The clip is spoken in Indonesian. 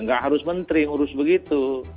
nggak harus menteri urus begitu